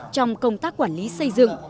trong công tác quản lý xây dựng